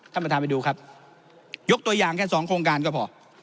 ท่านประธานไปดูครับยกตัวอย่างแค่สองโครงการก็พอ